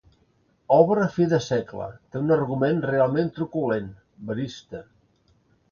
Obra fi de segle, té un argument realment truculent, verista.